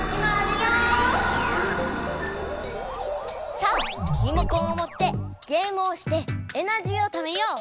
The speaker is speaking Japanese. さあリモコンをもってゲームをしてエナジーをためよう！